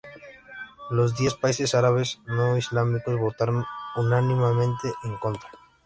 Los diez países árabes o islámicos votaron unánimemente en contra.